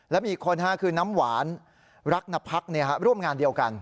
และมีอีกคนคือน้ำหวานรักนพักร่วมงานเดียวกัน